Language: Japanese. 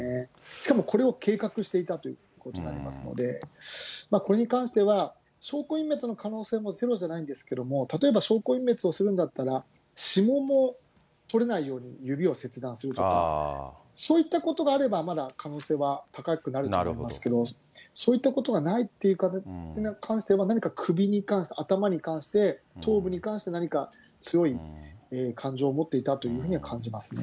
しかもこれを計画していたということになりますので、これに関しては、証拠隠滅の可能性もゼロじゃないんですけれども、例えば証拠隠滅をするんだったら、指紋も取れないように指を切断するとか、そういったことがあれば、まだ可能性は高くなると思いますけど、そういったことがないっていうことに関しては、何か首に関して、頭に関して、頭部に関して何か強い感情を持っていたというふうには感じますね。